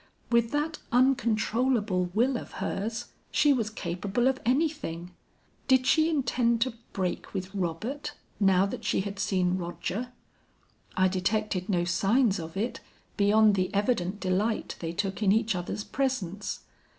With that uncontrollable will of hers, she was capable of anything; did she intend to break with Robert, now that she had seen Roger? I detected no signs of it beyond the evident delight they took in each other's presence.